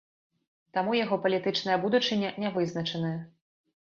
Таму яго палітычная будучыня не вызначаная.